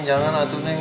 jangan atuh neng